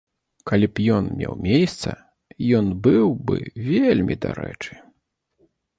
Калі б ён меў месца, ён быў бы вельмі дарэчы.